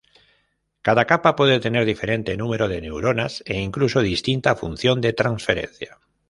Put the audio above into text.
Cada capa puede tener diferente número de neuronas, e incluso distinta función de transferencia.